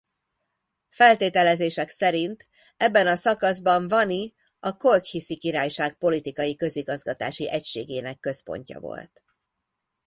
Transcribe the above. Feltételezések szerint ebben a szakaszban Vani a Kolkhiszi királyság politikai-közigazgatási egységének központja volt.